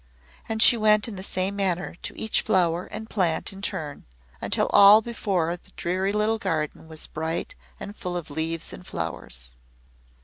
And she went in the same manner to each flower and plant in turn until all the before dreary little garden was bright and full of leaves and flowers.